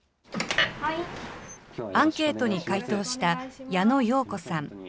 アンケートに回答した矢野洋子さん